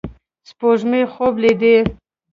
سپوږمۍ خوب لیدې